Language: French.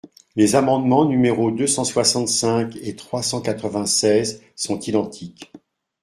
Les amendements numéros deux cent soixante-cinq et trois cent quatre-vingt-seize sont identiques.